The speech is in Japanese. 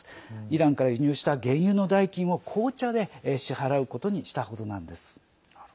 イランから輸入した原油の代金を紅茶で支払うことにしたほどなんです。